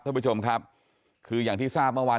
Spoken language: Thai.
ท่านผู้ชมครับคืออย่างที่ทราบเมื่อวาน